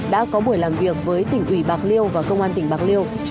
đã có buổi làm việc với tỉnh ủy bạc liêu và công an tỉnh bạc liêu